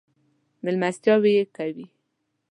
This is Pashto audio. مېلمستیاوې یې کوي.